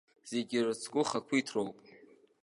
Зегь ирыцку хақәиҭроуп!